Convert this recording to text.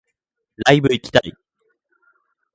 ライブ行きたい